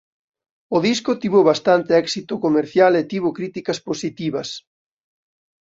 O disco tivo bastante éxito comercial e tivo críticas positivas.